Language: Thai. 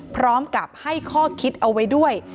พร้อมกับให้ข้อคิดเอาไว้ด้วย